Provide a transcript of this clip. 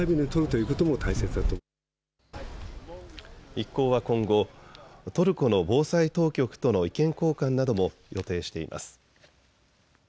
一行は今後、トルコの防災当局との意見交換なども予定しています。